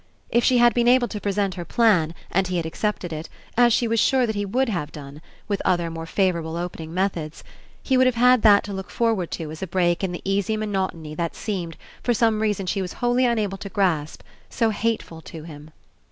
If she had been able to present her plan, and he had ac cepted it, as she was sure that he would have done, with other more favourable opening methods, he would have had that to look for ward to as a break in the easy monotony that seemed, for some reason she was wholly un able to grasp, so hateful to him.